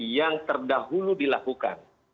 yang terdahulu dilakukan